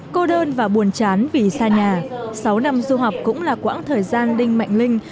cô đơn và buồn chán vì xa nhà sáu năm du học cũng là quãng thời gian đinh mạnh linh